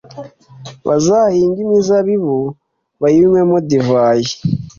bazahinge imizabibu bayinywemo divayi,